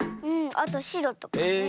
あとしろとかね。